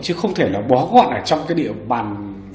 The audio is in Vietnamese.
chứ không thể là bó gọn ở trong cái địa bàn